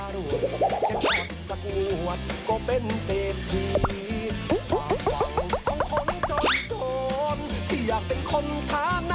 เด็ดสักตัวไม่พอหรอก